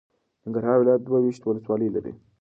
ننګرهار ولایت دوه ویشت ولسوالۍ لري.